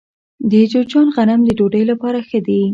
د جوزجان غنم د ډوډۍ لپاره ښه دي.